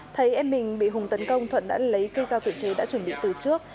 thấy em mình bị hùng tấn công thuận đã lấy cây dao tự chế đã chuẩn bị từ trước